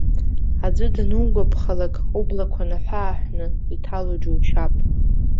Аӡәы данугәаԥхалак, ублақәа наҳәы-ааҳәны иҭало џьушьап.